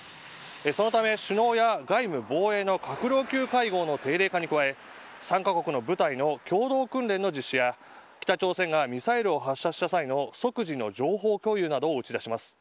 そのため首脳や外務防衛の閣僚級会合の定例化に加え３カ国の部隊の共同訓練の実施や北朝鮮がミサイルを発射した際の即時の情報共有などを打ち出します。